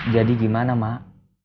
jadi gimana mak